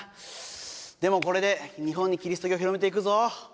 でもこれで日本にキリスト教広めていくぞ。